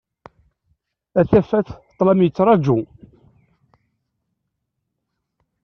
Ad taf ṭṭlam yettraǧu.